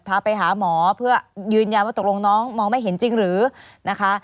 พาไปหาหมอเพื่อยืนยันว่าตกลงน้องมองไม่เห็นจริงหรือนะคะ